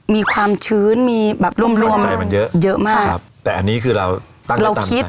มีความชื้นมีแบบร่วมเยอะมาก